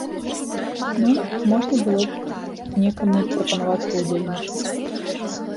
Ну, можна было б некаму прапанаваць паўдзельнічаць.